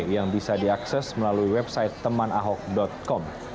yang bisa diakses melalui website temanahok com